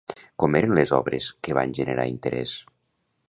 Com eren les obres que van generar interès?